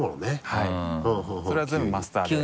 はいそれは全部マスターで。